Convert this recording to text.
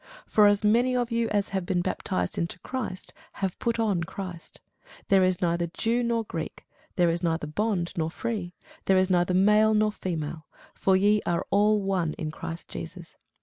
For as many of you as have been baptized into Christ have put on Christ. There is neither Jew nor Greek, there is neither bond nor free, there is neither male nor female: for ye are all one in Christ Jesus.